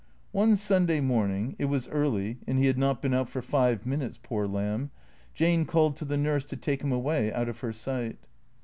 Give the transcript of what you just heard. One Sunday morning (it was early, and he had not been out for five minutes, poor lamb) Jane called to the nurse to take him away out of her sight.